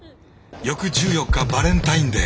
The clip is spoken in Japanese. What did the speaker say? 翌１４日バレンタインデー。